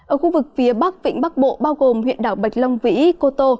ở khu vực phía bắc vĩnh bắc bộ bao gồm huyện đảo bạch long vĩ cô tô